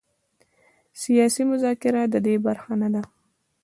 سیاسي مذاکره د دې برخه نه ده.